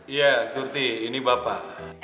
iya surti ini bapak